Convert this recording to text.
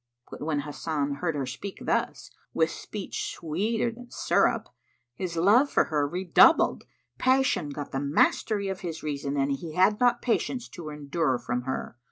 But when Hasan heard her speak thus, with speech sweeter than syrup, his love for her redoubled, passion got the mastery of his reason and he had not patience to endure from her.